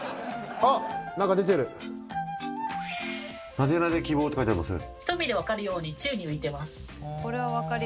なでなで希望って書いてありますね。